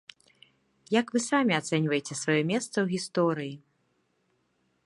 Як вы самі ацэньваеце сваё месца ў гісторыі?